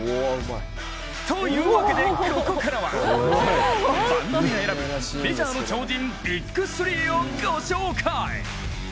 というわけで、ここからは番組が選ぶメジャーの超人ＢＩＧ３を紹介。